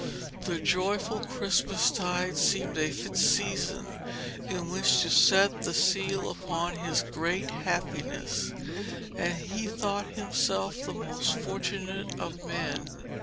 The joyful Christmastide seemed a fit season in which to set the seal upon his great happiness, and he thought himself the most fortunate of men.